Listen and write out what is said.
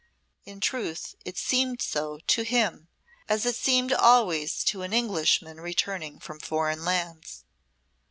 In truth, it seemed so to him, as it seems always to an Englishman returning from foreign lands.